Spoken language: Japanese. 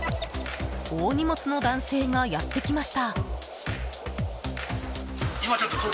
大荷物の男性がやってきました。